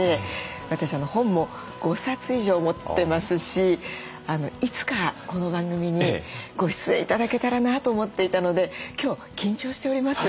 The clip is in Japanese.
私本も５冊以上持ってますしいつかこの番組にご出演頂けたらなと思っていたので今日緊張しております。